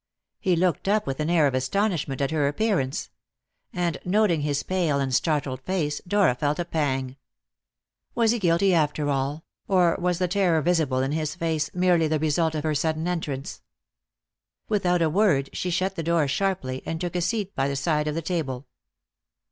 He looked up with an air of astonishment at her appearance; and, noting his pale and startled face, Dora felt a pang. Was he guilty after all, or was the terror visible in his face merely the result of her sudden entrance? Without a word, she shut the door sharply, and took a seat by the side of the table.